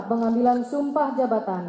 pengambilan sumpah jabatan